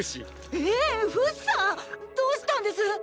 えー⁉フシさん⁉どうしたんです